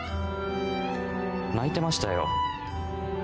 泣いてましたよ。